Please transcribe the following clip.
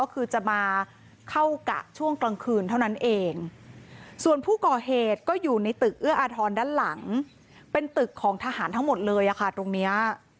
การอธรรมด้านหลังเป็นตึกของทหารทั้งหมดเลยตรงนี้